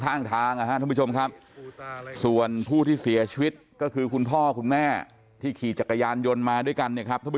ทางนะครับส่วนผู้ที่เสียชีวิตก็คือคุณพ่อคุณแม่ที่ขี่จักรยานยนต์มาด้วยกัน